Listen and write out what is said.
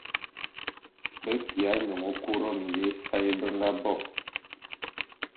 Be kiya nyône Couronne ya ésae be nga bo.